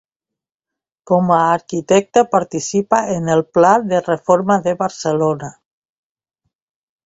Com a arquitecte participà en el pla de reforma de Barcelona.